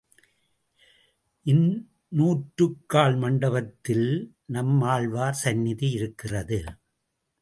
இந்நூற்றுக்கால் மண்டபத்திலே நம்மாழ்வார் சந்நிதி இருக்கிறது.